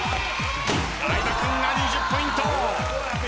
相葉君が２０ポイント。